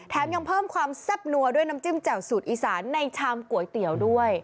ยังเพิ่มความแซ่บนัวด้วยน้ำจิ้มแจ่วสูตรอีสานในชามก๋วยเตี๋ยวด้วย